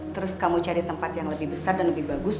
terus kamu cari tempat yang lebih besar dan lebih bagus